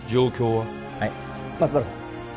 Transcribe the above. はい松原さん